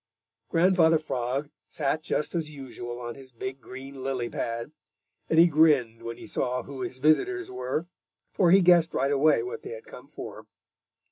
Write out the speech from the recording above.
Grandfather Frog sat just as usual on his big green lily pad, and he grinned when he saw who his visitors were, for he guessed right away what they had come for.